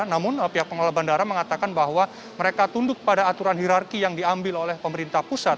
namun pihak pengelola bandara mengatakan bahwa mereka tunduk pada aturan hirarki yang diambil oleh pemerintah pusat